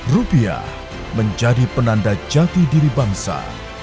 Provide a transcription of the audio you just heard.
rupiah menjadi penanda jati diri bangsa